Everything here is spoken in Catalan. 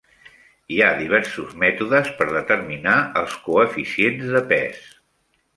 Hi ha diversos mètodes per determinar els coeficients de pes.